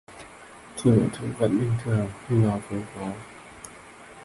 Thì mọi thứ vẫn bình thường như nó vốn có